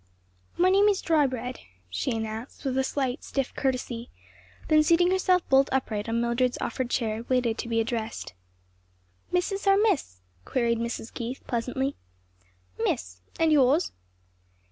"My name is Drybread," she announced with a slight, stiff courtesy; then seating herself bolt upright on Mildred's offered chair, waited to be addressed. "Mrs. or Miss?" queried Mrs. Keith pleasantly. "Miss. And yours?"